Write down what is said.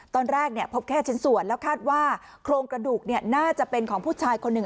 ตอนแรกพบแค่ชิ้นส่วนแล้วคาดว่าโครงกระดูกน่าจะเป็นของผู้ชายคนหนึ่ง